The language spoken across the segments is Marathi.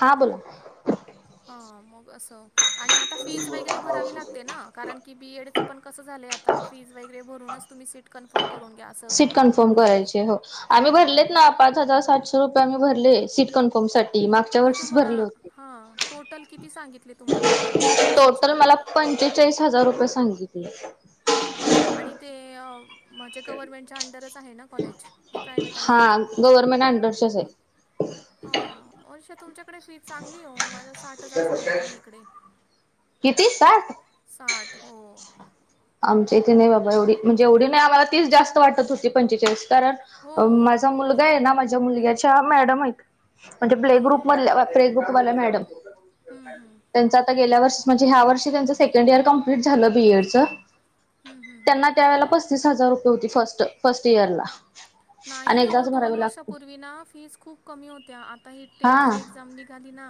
हा बोला हा मग असं आणि आता फीज वगैरे भरावी लागते ना कारण की बीएडीचं पण कसं झालं. आता फीज वगैरे भरूनच तुम्ही सीट कन्फर्म करून घ्या असं. सीट कन्फर्म करायची हो आम्ही भरलेत हां, ना पाच हजार सठशे रुपये आम्ही भरले सीट कन्फ. साठी मागच्या मग वर्षीच तुम्हाला भरले होते. हां, टोटल किती सांगितले. टोटल मला पंचेचाळीस हजार रुपये सांगितले. आणि ते. माझे गव्हर्नमेंटच्या अंडरच आहे ना कॉलेज की प्रायव्ट आहे हा गव्हर्नमेंट अंडरचेच आहे. हा. तुमच्याकडे फी चांगली हो मला साठ हजार सांगितली इकडे. तीस साठ साठ हो. आमच्या इथे नाही बाबा एवढी म्हणजे एवढी नाही आम्हाला ती जास्त वाटत होती पंचेचाळीस. कारण हो. माझा मुलगा आहे ना माझ्या मुलग्याच्या मॅडम आहेत. म्हणजे हो. प्ले हं, ग्रुप मध प्ले ग्रुपवाला मॅडम. हं, हं. त्यांच आता गेल्या वर्ष म्हणजे ह्या वर्षी त्यांच सेकंड इयर कमप्लीट झालं बीएडच. त्यांना त्यावेेळेला पस्तीस हजार रुपये होती फर्स्ट फर्स्ट इयरला. आणि नाही हो एकदाच दोन भरावी लागते वर्षापूर्वी ना फीस खूप कमी होत्या. आता ही हा टेटची एक्झाम निघाली ना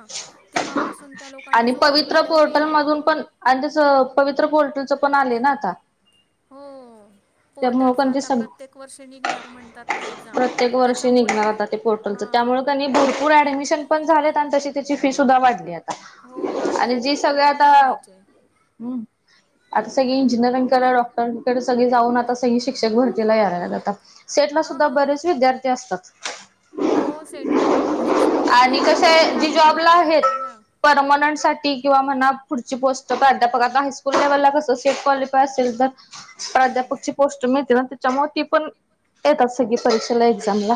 तेव्हापासून त्या लोकांनी आणि जो फी पवित्र वाढवली. पोर्टल मधून पण. आणि त्यासं पवित्र पोलटूचं पण आले ना आता. हो त्यामुळे पोर्टलचा पण ते आता सग प्रत्येक वर्ष निघणार म्हणतात ना एक्झाम त्याच्यामुळे पोर्टल त्यामुळे हां त्यांनी भरपूर ऍडमिशन पण झालेत आणि तशी त्याची फी सुद्धा वाढली हो आहे. आधी आणि जे ॲडमिशन सगळे पण आता नाही व्हायचे हम्म आता सगळे हम्म. इंजिनिअरिंग डॉक्टरांकडे सग जाऊन आता सग शिक्षक भरतीला यायला जात. सेट ला सुद्धा अहं. बरेच विद्यार्थी असतात. हो सेटला पण बरेच असतात आणि एवढं कसं करून आहे काय जी जॉबला करणार आहेत आहे हे ना. परमनंट साठी किंवा म्हणा पुढची पोस्ट अध्यापक आता हायस्कूल लेवलला कसं सेट क्वालिफाय असेल तर हम्म. प्राध्यापकची पोस्ट मिळते ना त्याच्यामुळे ती पण येतच सगी परीक्षेला एक्झाम ला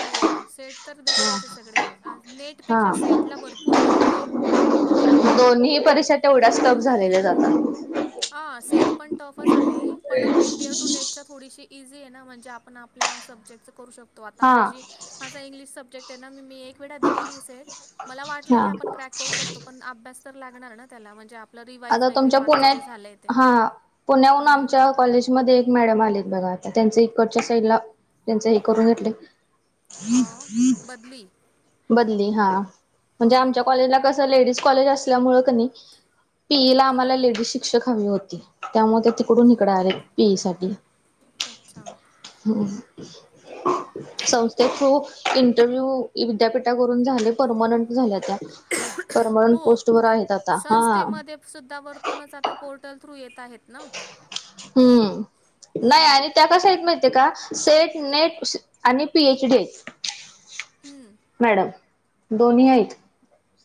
हो सेट तर देतातच सगळे नेटपेक्षा हा सेटला भरपूर गर्दी आहे. दोन्ही परीक्षा तेवढ्याच्टप झालेल्या जातात. ह सेट पण टफच आहे पण कम्पेअरड टू नेट थोडीशी इझी आहे ना म्हणजे आपण आपल्या सब्जेक्ट करू शकतो आता हा माझी माझा इंग्लिश सब्जेक्ट आहे ना मी मी एक वेळा दिलेली सेट मला वाटलं हा. की आपण क्रॅक करू शकतो. पण अभ्यास तर लागणार ना त्याला म्हणजे आपलं रिवाइज आता वगैरे तुमच्या माग पुण्यात हा पुण्याहून आमच्या कॉलेजमध्येध्ये एक मॅडम आले बघा आता त्यांच इकडच्या साईडला त्यांच हे करून घेतले. हां बदली बदली हा. म्हणजे हां आमच्या कॉलेजला कसं लेडीज कॉलेज असल्यामुळे क नाही. पीई ला आम्हाला हां लेडीज शिक्षक हवी होती त्यामुळे ते तिकडून ओके नििकड आले पीई साठी अच्छा. होम. संस्थे थ्रू इंटरव्ह्यू विद्यापीठावरून झाले परमनंट झाल्या त्या परमनंट हो पोस्ट वर आहेत आता हा. संस्थेमध्ये सुद्धा वरतूनच आता पोर्टल थ्रू येत आहेत ना. हम्म नाही हम्म, आणि त्या कसाह माहि ते सेट नेट आणि पीएच डी. हम्म. मॅडम दोन्ही आहेत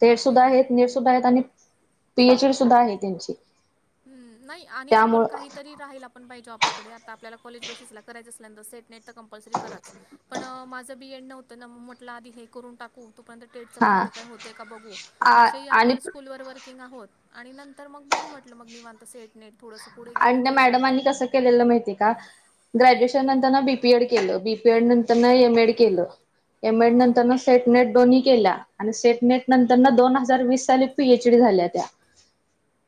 तेट सुुद्धा हम्म. आहेत नीट सुुद्धा आहेत आणि पीएच डी सुद्धा आहे त्यांची हम् नाही आणि आपण त्यामुळं काहीतरी राहील आपण पाहिजो आपल्याकडे आता आपल्याला कॉलेज बेसीस ला करायचं असल्यानंत सेट नेट तर कंपल्सरी कराच. पण माझं बीएड नव्हतं ना म्हटलं आधी हे करून टाकत. तोपर्यंत टेटच हा पण ो काही होते का बघू असे आणि आपण स्कूलवर वर्किंग आहोत. आणि नंतर मग बघू म्हटलं मग मी निवांत सेट नेट थोडंसं पुढे गेलं तरी चालतं केलेल माहिती का? ग्रॅज्युएशन नंतर ना बीपीएड केलं बीपीएड नंतर एमएड केलं. एम एड हां, नंतर न सेट नेट दोन्ही केला. आणि सेट नेट नंतर न दोन हजार वीस साली पीएच डी झाल्या त्या.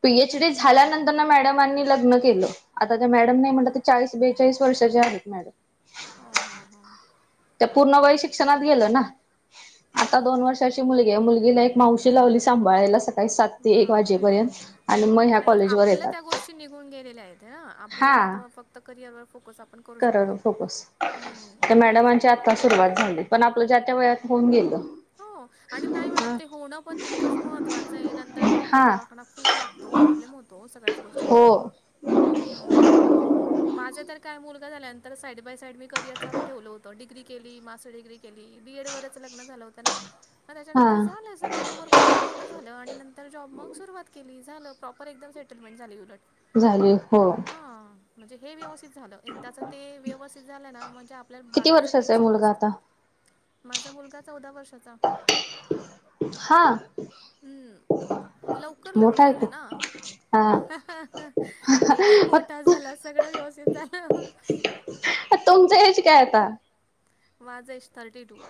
PH D okay. झाल्यानंतर ना मॅडमांनी लग्न केलं आता. मॅडम नाही म्हट ते चास बेचाळीस वर्षाचे आहेत मॅडम हां, हां, हां. त्या पूर्ण वय शिक्षणात गेलं ना आता दोन बरोबर. वर्षा मु मुलगीला एक मावशी लावली सांभाळायला काही सात ते एक वाजेपर्यंत बापरे! आणि मग ह्या नाही कॉलेज वर आपलं त्या येतात. गोष्टी निघून गेले आपल्यालाता फक्त करियर व फोकस आपण करू क शकतो. फोकस हं. तर मॅडमच्या आ. सुरुवात झाली पण आपलं ज्या त्या वयात होऊन गेलं हो आणि नाही मॅडम ते होणं पण तितकंच महत्त्वाचं आहे नंतर डॉक्टर हा दवाखाना खूप लागतो. तो प्रॉब्लेम होतो सगळ्याच गोष्टी हो माझे तर काय मुलगा झाल्यानंतर साईड बाय साईड मी करियर चालू ठेवलं होतं डिग्री केली मास्टर डिग्री केली बीएड वरच लग्न झालं होत ना हा त्याच्यानंतर झालं सगळं तोवर मुलगं मोठं झालं आणि नंतर जॉब मग सुरुवात केली झालं प्रॉपर एकदम सेटलमेंट झाली उलट- झाली हो हा म्हणजे हे व्यवस्थित झालं एकदाच ते व्यवस्थित झालं ना म्हणजे आपल्याला किती बाकीचं वर्षाचा आहे टेन्शन मुलगा नसतं आता माझा मुलगा चौदा वर्षाचा हा हम्म लवकर लग्न मोठा आहे झालं खूप ना हा मुलगाही मग मोठा झाला सगळं व्यवस्थित झालं तुमचं एज काय आता? माझं age thirty two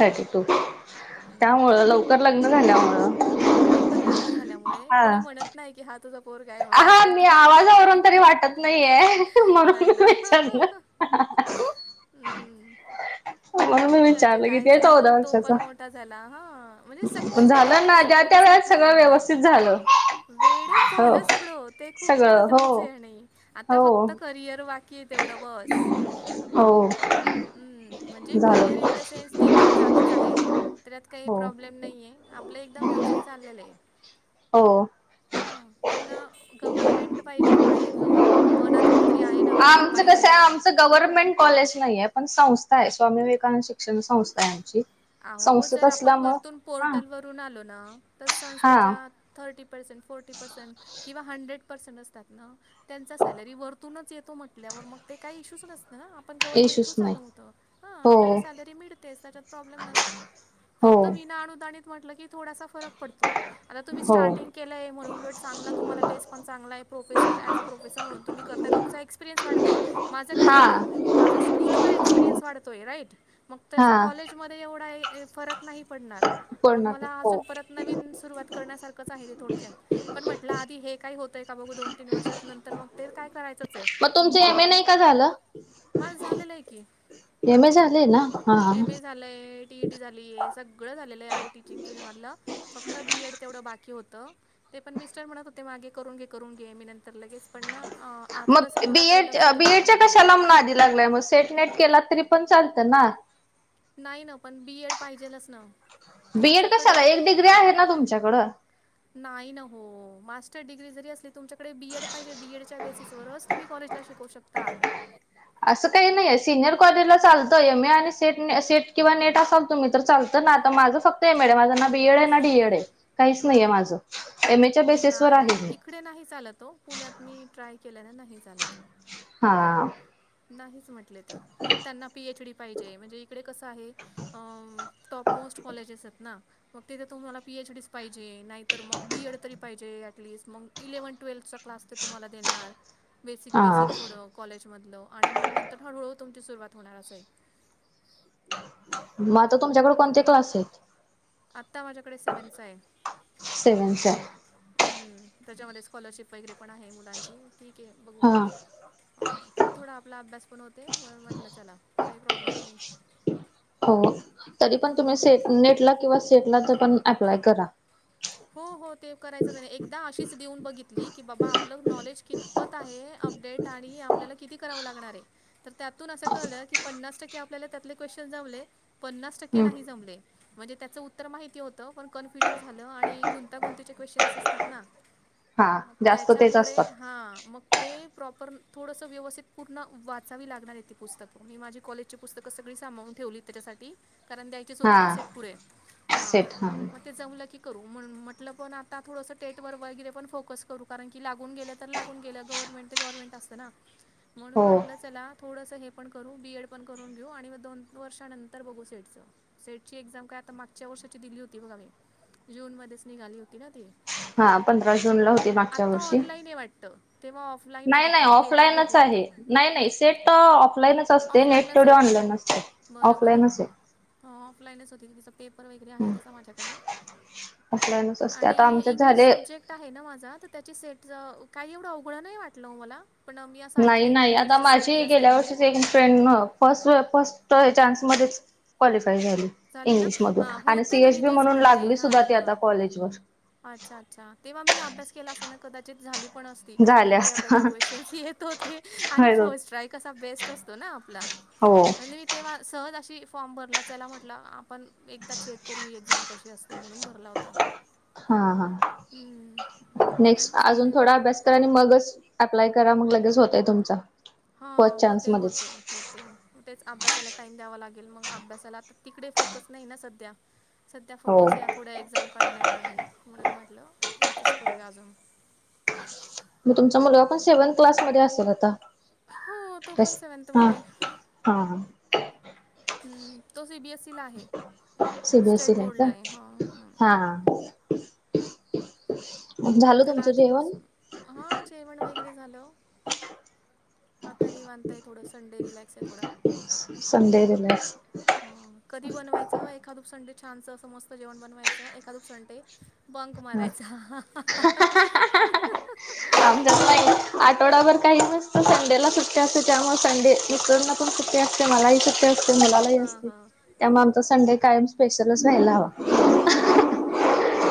thirty two त्यामुळं लवकर लग्न झाल्यामुंळे लवकर लग्न झाल्यामुळे कोणी म्हणतं नाही की हा तुझा पोरगा म्हणून हा पण मी ठीक आवाजावरून तरी आहे वाटत नाहीये म्हणून नाही मी ना विचारलं. हम्म म्हणून मी ठीक आहे म्हणजे विचारलं काय किती आहे चौदा झालं तो पण वर्षाचा मोठा झाला हा म्हणजे सगळी पण झालं सेटलमेंट ना अशी ज्या त्या व्यवस्थित वेळात सगळं लागली ना, व्यवस्थित झालं वेळेत हो झालं सगळं ते खूप सगळं महत्वाचे हो आणि आता हो फक्त करियर वा कि तेवढं बस हो म्हणजे झालं करियर इन द सेन्स ते पण चालूच आहे त्यात काही प्रॉब्लेम हो प्रॉब्लेम नाहीे आपलं एकदम व्यवस्थित चाललेलं आहे. हो हा पण ना गव्हर्मेंट पाहिजे हा एक जो मनात कुठतरी आहे ना आहे पाहिजे बाबा असं गवर्नमेंट कॉलेज नाही आहे पण संस्था आहे स्वामी विवेकानंद शिक्षण संस्था यांची अहो जर आपण वरतून पोर्टलवरून आलो ना तर हा संस्थाच्या थर्टी पर्सेंट फोर्टी पर्सेंट किंवा हंड्रेड पर्सेंट असतात ना त्यांचा सॅलरी वरतूनच येतो म्हटल्यावर मग ते काही इश्यू नसतं ना आपण गव्हर्नमेंटथ्रू इशूच नाही चालवतं ह हो आपला सॅलरी मिळतेच त्याच्यात प्रॉब्लेम नसतो हो फक्त विना अुदाणीत म्हटलं की थोडासा फरक पडतो. आता तुम्ही हो स्टार्टिंग केलं आहे म्हणून उलट चांगला तुम्हा बेस पण चांगला आहे प्रोफेसर ॲज अ प्रोफेसर म्हणून तुम्ही करता तुमचा एक्सपिरीयन्स वाढतोय माझं काय हा झालंय. माझं स्कूलवर एक्सपिरियन्स वाढतो राईट मग हा त्याचा कॉलेजमध्ये एवढा आहे. फरक नाही पडणार मग कर्नाटक मला हो अजून परत नवीनसुरुवात करण्यासारखंच आहे ते थोडक्यात पण म्हटलं आधी हे काय होत का बघू दोन तीन वर्षात नंतर मग ते काय करायचंच आहे मग तुमचं एम ए नाही का झालं मा झालेला आहे की एम ए झाले ना हा एम एस झालंय टीई टी झाली आहे सगळं झालेलं आहे टीचिंग फील्डमधला. फक्त बी एड तेवढं बाकी होतं ते पण मिस्टर म्हणतं होते मागे करून घे करून घे मी नंतर लगेच. पण ना अ आ थोडस मग मुलाकडे बीएड लक्ष देण्यात बीएडच्या राहिलं कशाला म्हणून आधी लागलाय मग सेट नेट केला तरी पण चालत ना नाही ना पण बी एड पाहिजेलच ना बी एड कशाला तुमच्याकडे एक डिग्री आहे ना तुमच्याकडं नाही न हो मास्टर डिग्री जरी असली तुमच्याकडे बी एड पाहिजे बी एड च्या बेसिस वच तुम्ही कॉलेजला शिकऊ शकतात आसं काही नाहीे सिनियर कॉलेजला चालतं एम ए आणि सेट सेट किंवा नेट असाल तुम्ही तर चालत ना आता माझं फक्त एम एड आहे माझं ना बी एड आहे ना डी एड आहे काहीच नाहीे माझं एम एच्या बेसिसवर आहे नाही मी इकडे नाही चालत हो पुण्यात मी ट्राय केल्यान नाही चालत हाआ नाहीच म्हटले ते मग त्यांना पी एच डी पाहिजे म्हणजे इकडे कसं आहे टॉपमोस्ट कॉलेजेसेत ना मग तिथे तुम्हाला पी एच डीच पाहिजे नाहीतर मग बी एड तरी पाहिजे ऍटलिस्ट मग इलेव्हन ट्वेल्थ क्लास तर तुम्हाला देणार बेसिक हा बेसिक थोड कॉलेजमधलं आणि मग नंतर हळूहळू तुमची सुरुवात होणार असेल मग आता तुमच्याकडे कोणते क्लास आहेत आता माझ्याकडे सेव्हहेनचा आहे सेव्हनचे हम त्याच्यामध्ये स्कॉलरशिप वगैरे पण आहे मुलांची ठीके बघू हा ह तेत थोडा आपला अभ्यास पण होतेम्हणून म्हटलं चला काही प्रॉब्लेम नाही हो तरी पण तुम्ही हम्म. से नेट ला किंवा सेट ला तर अप्लाय करा हो हो ते करायचंच एकदा शां च देऊन बघितली की बाबा आपलं नॉलेज कितपत आहे अपडेट आणि आपल्याला किती करावं लागणार आहे तर त्यातून असं कळलं की पन्नासआपल्याला त्यातले क्वेश्चन जावले पन्नास टक्के हम्म नाही जमले म्हणजे त्याचं उत्तर माहिती होतं पण कन्फ्युजन झालं आणि गुंतागुंतीचे क्वेश्चन असतात ना हा मग जास्त तेच त्याच्यामुळे असतात हा मग ते प्रॉपर थोडसं व्यवस्थित पूर्ण वाचावी लागणार यी पुस्तकं मी माझी कॉलेज च पुस्तक सगळी सांभाळून ठेवली त्याच्यासाठी कारण द्यायचीच हा होती ना सेट पुढे सेट हा ते जमलं की करू म्हटलं पण आता थोडसं स्टेट ववर वगैरे पण फोकस करू कारण की लागून गेलं तर लागून गेलं गव्हर्मेंट ते गोरमेंट असतना म्हणून हो म्हटलं चला थोडंसं हे पण करू बी एड पण करून घेऊ आणि मग दोन वर्षानंतर बघू सेटचं सेट ची एक्झाम काय आता मागच्या वर्षाची दिली होती बघा मी जुन मध्येच निघाली होती ना ती हा पंधरा जुन ला होती मागच्या आत्ता वर्षी ऑनलाईन वाटतं तेव्हा ऑफलाईन नाही होती नाही ती पेपर ऑफलाईनच भेटला होता आहे मग नाही नाही सेट ऑफलाईनच असते नेट ऑफलाईनच थव आहे ऑनलाईन असते ऑफलाईन असे ह ऑफलाईनच होती तिचां पेपर वगैरे आहे तस माझ्याकडे ऑफलाईनच असते आणि आता आमच्यात इंग्लिश झाले सब्जेक्ट आहे ना माझा तर त्याची सेट काही एवढं अवघडं नाही वाटलं मला पण मी असं नाही ऐकलं आहे की नाही आता इंग्लिशची माझी सोपी असते गेल्या म्हणे वर्षीच एक फ्रेंड मग फस् फर्स्ट चान्समध्येच क्वालिफाय झाली झाली ना इंग्लिश मधून हां आणि होतं ना सीएच मी बी तेच म्हणून म्हणते लागली सुद्धा हां ती आता हां कॉलेजवर अच्छा अच्छा तेव्हा मी अभ्यास केला असताना कदाचित झाली पण अस कारण झाले असता बऱ्यापैकी क्वेशन येत होते आणि फर्स्ट ट्राय कसा बेस्ट असतो ना आपला होओ म्हणजे मी तेव्हा सहज अशी फॉर्म भरला चला म्हटलं आपण एकदा चेक करू ही एक्झाम कशी असते म्हणून भरला होता हा हा हम्म पण नेक्स्ट अजुन चांगली थोडा माहिती अभ्यास तर आणि मगच अप्लाय करा मग लगेच होतय तुमच हा होते होते हो तेग तेच अभ्यासाला टाइम द्यावा लागेल मग अभ्यासाला आता तीकडे फोकस नाही ना सध्या सध्या हो फोकस या थोड्या एक्झाम काढण्यावर आहे म्हणून म्हटलं यातच करूया अजून मग तुमचा मुलगा पण सेव्हन्थ क्लासमध्येध्ये असेल आता हो तो पण बस हा सेवन्थमध्ये हा हम्म तो सीबीएसई ला आहे स्टेट बोर्ड ला आहे हा ह हा ह त्याला आधीपासून हा जेवण वगैरे झालं आता नाहीी मानताय थोडं संडे रिलॅक्स आहे थोडा सडे दिलेस ह कधी बनवायचं एखादपसंडे छानच अस मस्त जेवण बनवायचं एखाद उपसंडे बंक हा मारायचा आच्या आठवडाभर काही नसत संडेला सुट्ट्या असते त्यामुळे संडे इकडून सुे असते मला सुट्ट ते मलालाही हां असते हां त्यामुळे आमचा संडे कायम स्पेशलच राहायला हवा हा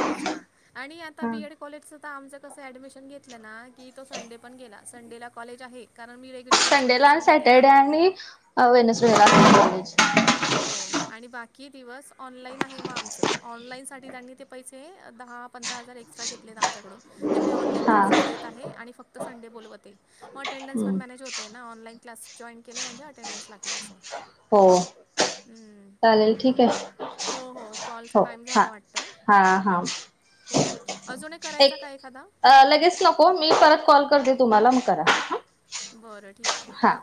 तेच ना आणि आता हा बीएड कॉलेजचं तर आमचं कसं ऍडमिशन घेतलं ना की तो संडे पण गेला संडेला कॉलेज आहे कारण मी रेग्युलरलाच संडेला आणि ऍडमिशन घेते ना सॅटर्डे आणि वेनसडेला हो असते कॉलेज हो आणि बाकी दिवस ऑनलाईन आहे मग आमचं ऑनलाईनसाठी त्यांनी ते पैसे दहा पंधरा हजार एक्स्ट्रा घेतले आहेत आमच्याकडून त्यामुळे ऑनलाईन हा क्लासेस देत आहे आणि फक्त संडे बोलवते मग अटंडनस पण हम्म मॅनेज होते आहे ना ऑनलाईन क्लास जॉईन केले म्हणजे अटेंडन्स लागली असं हो हम् चालेल ठीक आहे हो हो कॉल हो टाइम हा झाला वाटत हा हा हो अजूनही करायचा एक का एखादा लगेच नको मी परत कॉल करते तुम्हाला मग करा बरं ठीक आहे हा.